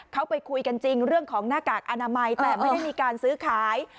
เขาไปคุยกันจริงเรื่องของหน้ากากอนามัยแต่ไม่ได้มีการซื้อขาย